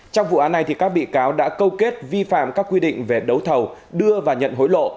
trong vụ án này các bị cáo đã câu kết vi phạm các quy định về đấu thầu đưa và nhận hối lộ